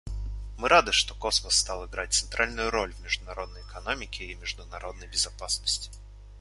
Мы рады, что космос стал играть центральную роль в международной экономике и международной безопасности.